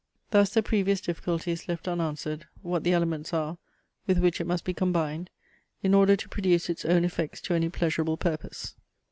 Thus the previous difficulty is left unanswered, what the elements are, with which it must be combined, in order to produce its own effects to any pleasurable purpose.